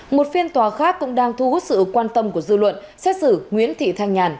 một phiên tòa khác cũng đang thu hút sự quan tâm của dư luận xét xử nguyễn thị thanh nhàn